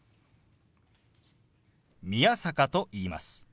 宮坂と言います。